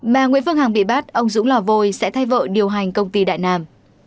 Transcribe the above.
bà nguyễn phương hằng bị bắt ông dũng lò vôi sẽ thay vợ điều hành công ty đại nam